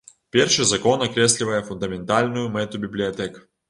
Першы закон акрэслівае фундаментальную мэту бібліятэк.